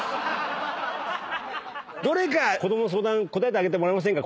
どれか子供の相談答えてあげてもらえませんか？